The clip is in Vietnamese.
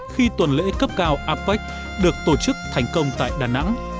khi tuần lễ cấp cao apec được tổ chức thành công tại đà nẵng